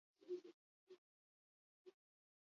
Iaz, proba gisa, antzeko azpiegitura bat alokatu zuten.